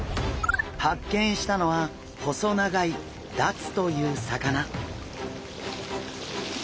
発見したのは細長いダツという魚。